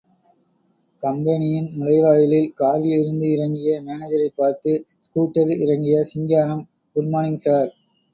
கம்பெனியின் நுழைவாயிலில் காரில் இருந்து இறங்கிய மேனேஜரைப் பார்த்து, ஸ்கூட்டரில் இறங்கிய சிங்காரம், குட்மார்னிங் ஸார்.